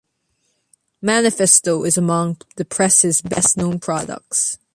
Manifesto is among the press's best-known products.